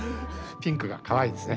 ピンクがかわいいですね。